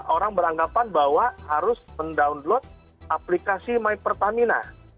orang beranggapan bahwa harus mendownload aplikasi my pertamina